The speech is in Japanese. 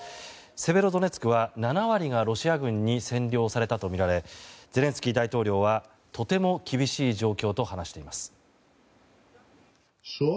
セベロドネツクは７割がロシア軍に占領されたとみられゼレンスキー大統領はとても厳しい状況と話しています。